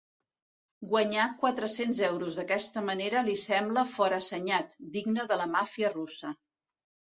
Guanyar quatre-cents euros d'aquesta manera li sembla forassenyat, digne de la màfia russa.